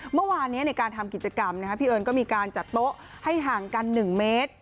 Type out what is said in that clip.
เมื่อวานนี้ในการทำกิจกรรมพี่เอิญก็มีการจัดโต๊ะให้ห่างกัน๑เมตร